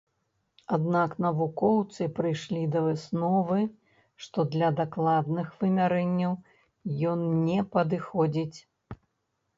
Аднак навукоўцы прыйшлі да высновы, што для дакладных вымярэнняў ён не падыходзіць.